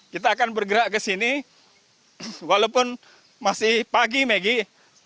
kita akan bergerak ke sini walaupun masih pagi maggie